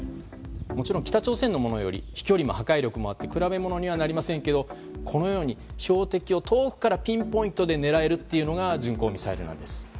もちろん北朝鮮のものより飛距離も破壊力もあって比べものにはなりませんけどこのように標的を遠くからピンポイントで狙えるのが巡航ミサイルなんです。